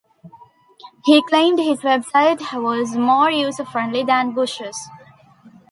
He claimed his website was more user-friendly than Bush's.